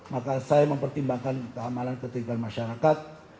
maka saya mempertimbangkan keamanan ketinggalan masyarakat